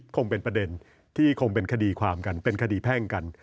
คงเป็นประเด็นที่คงเป็นคดีความกันเป็นคดีแพ่งกัน